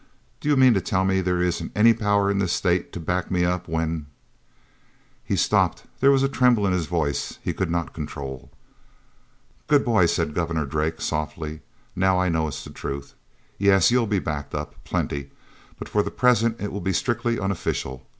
Do you mean to tell me there isn't any power in this state to back me up when—" He stopped. There was a tremble in his voice he could not control. "Good boy," said Governor Drake softly. "Now I know it's the truth. Yes, you'll be backed up, plenty, but for the present it will be strictly unofficial.